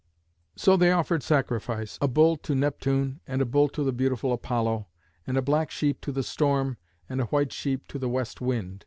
So they offered sacrifice, a bull to Neptune and a bull to the beautiful Apollo, and a black sheep to the Storm and a white sheep to the West Wind.